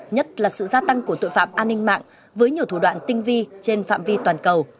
nhất là sự gia tăng của tội phạm an ninh mạng với nhiều thủ đoạn tinh vi trên phạm vi toàn cầu